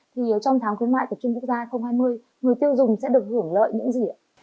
thì trong tháng khuyến mại tập trung quốc gia hai nghìn hai mươi người tiêu dùng sẽ được hưởng lợi những gì ạ